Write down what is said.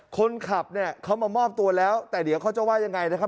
คนขับเนี่ยเขามามอบตัวแล้วแต่เดี๋ยวเขาจะว่ายังไงนะครับ